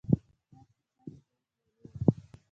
څاڅکي، څاڅکي وم، ویالې وم